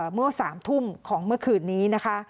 เมื่อ๓ทุ่มของเมื่อคืนนี้นะคะ